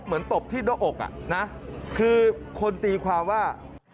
เหมือนตบที่ด้ออกคือคนตีความว่า